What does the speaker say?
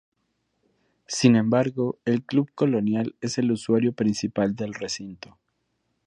Sin embargo, el Club Colonial es el usuario principal del recinto.